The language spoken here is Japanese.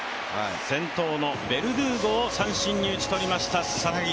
先頭のベルドゥーゴを三振に打ち取りました佐々木。